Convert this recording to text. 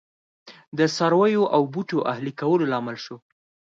د څارویو او بوټو اهلي کولو لامل شو